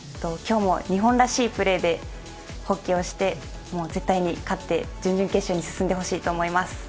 今日も日本らしいプレーでホッケーをして絶対に勝って準々決勝に進んでほしいと思います。